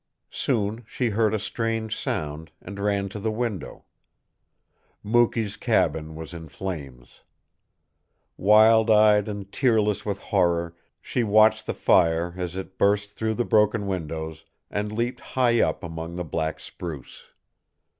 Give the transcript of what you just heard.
Soon she heard a strange sound, and ran to the window. Mukee's cabin was in flames. Wild eyed and tearless with horror, she watched the fire as it burst through the broken windows and leaped high up among the black spruce.